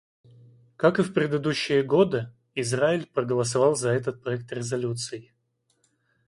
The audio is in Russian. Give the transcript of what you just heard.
Как и в предыдущие годы, Израиль проголосовал за этот проект резолюции.